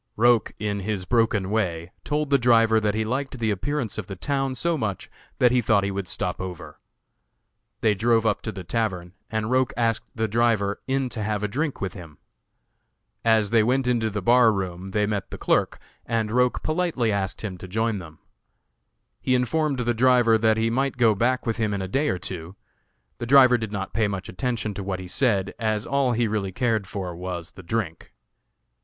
Roch in his broken way told the driver that he liked the appearance of the town so much that he thought he would stop over. They drove up to the tavern and Roch asked the driver in to have a drink with him. As they went into the bar room they met the clerk, and Roch politely asked him to join them. He informed the driver that he might go back with him in a day or two. The driver did not pay much attention to what he said, as all he really cared for was the drink.